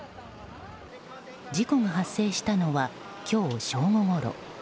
事故が発生したのは今日正午ごろ。